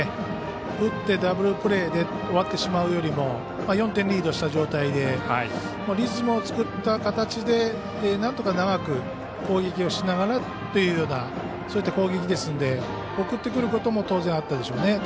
打ってダブルプレーで終わってしまうよりも４点リードした状態でリズムを作った形でなんとか長く攻撃をしながらというようなそういった攻撃ですので送ってくることも当然、あったでしょうね。